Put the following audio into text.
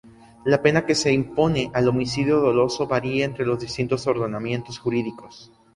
La pena que se impone al homicidio doloso varía entre los distintos ordenamientos jurídicos.